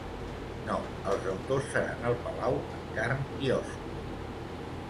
No, els autors seran al Palau en carn i ossos.